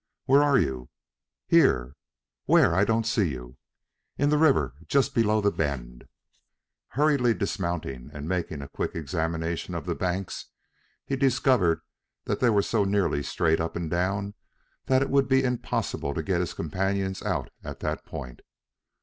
"Where are you!" "Here." "Where? I don't see you." "In the river. Just below the bend." Hurriedly dismounting and making a quick examination of the banks he discovered that they were so nearly straight up and down that it would be impossible to get his companions out at that point.